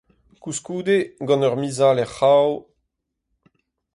Koulskoude, gant ur miz all er c’hraou…